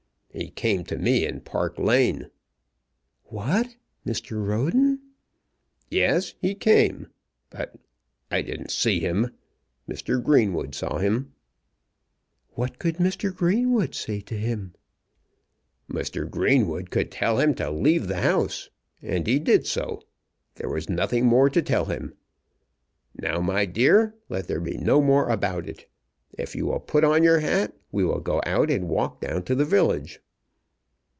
"He came to me in Park Lane." "What! Mr. Roden?" "Yes; he came. But I didn't see him. Mr. Greenwood saw him." "What could Mr. Greenwood say to him?" "Mr. Greenwood could tell him to leave the house, and he did so. There was nothing more to tell him. Now, my dear, let there be no more about it. If you will put on your hat, we will go out and walk down to the village."